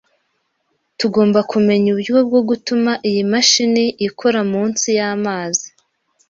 Tugomba kumenya uburyo bwo gutuma iyi mashini ikora munsi y'amazi.